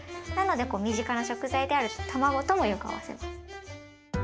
なので身近な食材であるたまごともよく合わせます。